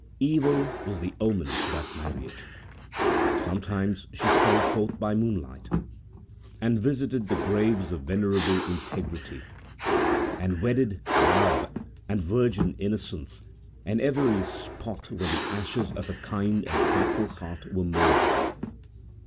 Evil was the omen to that marriage! Sometimes she stole forth by moonlight, and visited the graves of venerable Integrity, and wedded Love, and virgin Innocence, and every spot where the ashes of a kind and faithful heart were mouldering.